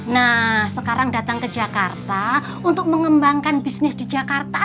nah sekarang datang ke jakarta untuk mengembangkan bisnis di jakarta